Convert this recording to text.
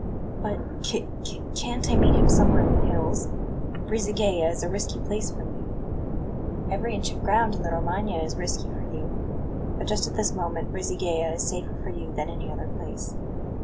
"BUT c c can't I meet him somewhere in the hills? Brisighella is a risky place for me." "Every inch of ground in the Romagna is risky for you; but just at this moment Brisighella is safer for you than any other place."